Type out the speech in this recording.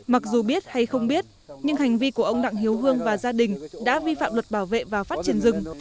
mặc dù biết hay không biết nhưng hành vi của ông đặng hiếu hương và gia đình đã vi phạm luật bảo vệ và phát triển rừng